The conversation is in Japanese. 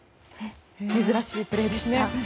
珍しいプレーですね。